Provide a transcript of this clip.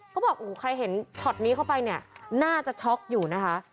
เขาบอกโอ้โหใครเห็นช็อตนี้เข้าไปเนี่ยน่าจะช็อกอยู่นะคะ